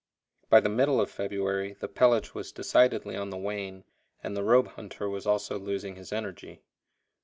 By the middle of February the pelage was decidedly on the wane, and the robe hunter was also losing his energy.